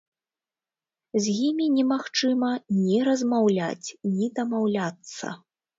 З імі немагчыма ні размаўляць, ні дамаўляцца.